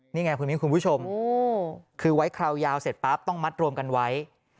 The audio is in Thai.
นี่ไงคุณมิ้นคุณผู้ชมคือไว้คราวยาวเสร็จปั๊บต้องมัดรวมกันไว้